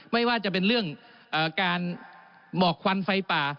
ไม่ว่าจะเป็นเรื่องการหมอกควันไฟป่า